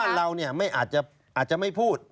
บ้านเราเนี่ยไม่อาจจะอาจจะไม่พูด